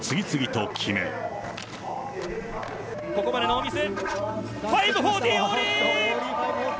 ここまでノーミス。